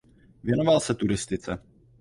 Věnoval se turistice.